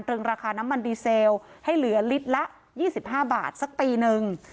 เติมราคาน้ำมันดีเซลให้เหลือลิตรละยี่สิบห้าบาทสักปีหนึ่ง